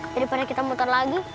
daripada kita motor lagi